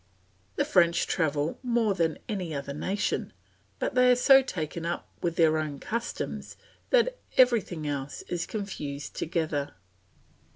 The French travel more than any other nation, but they are so taken up with their own customs, that everything else is confused together.